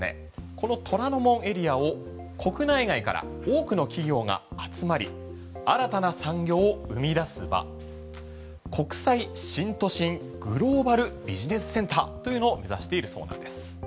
この虎ノ門エリアを国内外から多くの企業が集まり新たな産業を生み出す場国際新都心グローバルビジネスセンターというのを目指しているそうなんです。